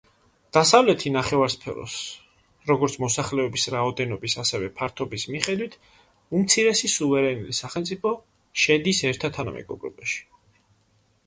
დასავლეთი ნახევარსფეროს, როგორც მოსახლეობის რაოდენობის ასევე ფართობის მიხედვით უმცირესი სუვერენული სახელმწიფო, შედის ერთა თანამეგობრობაში.